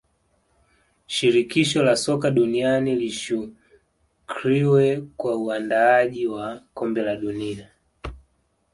shirikisho la soka duniani lishukriwe kwa uandaaji wa kombe la dunia